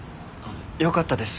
よかったです